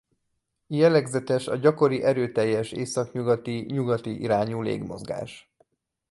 Jellegzetes a gyakori erőteljes északnyugati-nyugati irányú légmozgás.